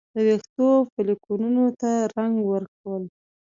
د ویښتو فولیکونو ته رنګ ورکول